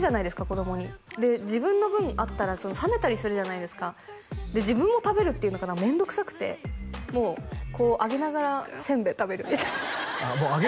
子供に自分の分あったら冷めたりするじゃないですかで自分も食べるっていうのがめんどくさくてもうこうあげながらせんべい食べるみたいなああ